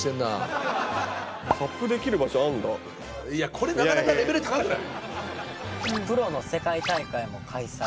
これなかなかレベル高くない⁉